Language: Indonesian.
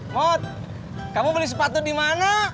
mot kamu beli sepatu di mana